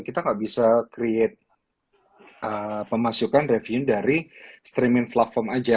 kita nggak bisa create pemasukan revenue dari streaming platform aja